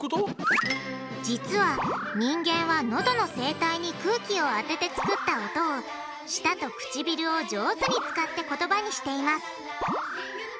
実は人間はノドの声帯に空気を当てて作った音を舌と唇を上手に使って言葉にしています。